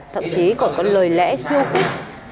thậm chí còn có lời lẽ khiêu khúc